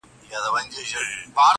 • له سهاره تر ماښامه به وو ستړی -